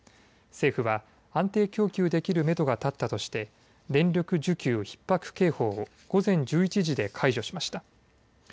政府は、安定供給できるめどが立ったとして電力需給ひっ迫警報を午前１１時で解除しました。